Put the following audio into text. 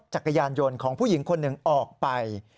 จักรยานยนต์ของผู้หญิงคนหนึ่งออกไป